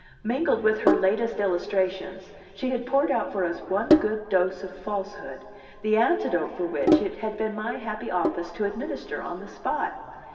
Mingled with her latest illustrations, she had poured out for us one good dose of falsehood, the antidote for which it had been my happy office to administer on the spot.